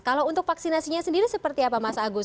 kalau untuk vaksinasinya sendiri seperti apa mas agus